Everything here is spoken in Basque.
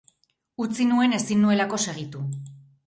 Utzi nuen ezin nuelako segitu.